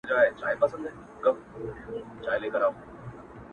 له نیکونو په مېږیانو کي سلطان وو٫